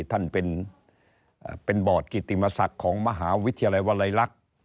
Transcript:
ท่านเป็นบอร์ดกิติมศักดิ์ของมหาวิทยาลัยวลัยลักษณ์